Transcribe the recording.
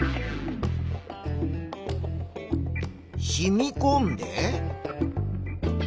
しみこんで。